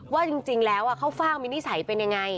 ว่าจริงแล้วข้าวฟ่างมีนิสัยเป็นยังไง